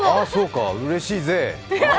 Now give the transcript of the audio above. うれしいぜぇ。